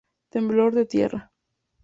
Temblor de tierra.